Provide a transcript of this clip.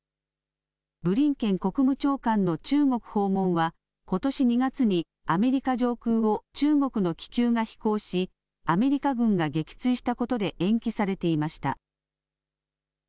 ブリンケン国務長官の中国訪問はことし２月にアメリカ上空を中国の気球が飛行しアメリカ軍が撃墜したことで延期されていました。